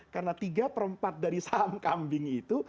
karena tiga per empat dari saham kambing itu